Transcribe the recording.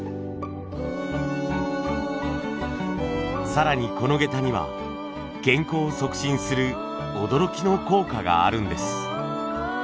更にこの下駄には健康を促進する驚きの効果があるんです。